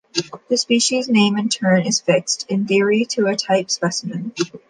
The species name in turn is fixed, in theory, to a type specimen.